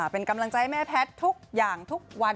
เป็นกำลังใจให้แม่แพทย์ทุกอย่างทุกวัน